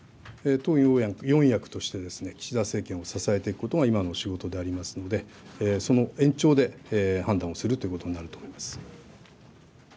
党四役として岸田政権を支えていくことが今の仕事でありますので、その延長で判断をするということになると思います。